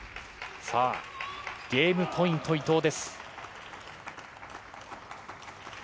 さあ、ゲームポイント、伊藤です。